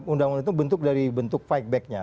undang undang itu bentuk dari bentuk fight back nya